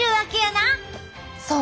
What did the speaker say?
そう。